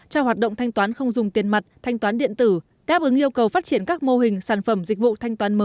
cho hoạt động thanh toán không dùng tiền mặt thanh toán điện tử đáp ứng yêu cầu phát triển các mô hình sản phẩm dịch vụ thanh toán mới